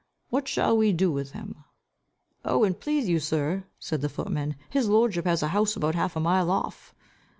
"What shall we do with him?" "Oh, and please you, sir," said the footman, "his lordship has a house about half a mile off."